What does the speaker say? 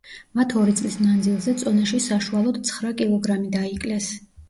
მათ ორი წლის მანძილზე წონაში საშუალოდ ცხრა კილოგრამი დაიკლეს.